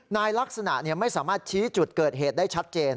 ลักษณะไม่สามารถชี้จุดเกิดเหตุได้ชัดเจน